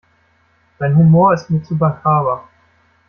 Dein Humor ist mir zu makaber.